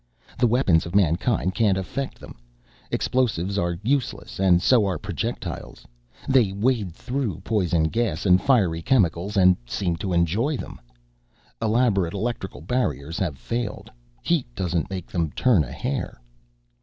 The weapons of mankind can't affect them. Explosives are useless and so are projectiles. They wade through poison gas and fiery chemicals and seem to enjoy them. Elaborate electrical barriers have failed. Heat doesn't make them turn a hair."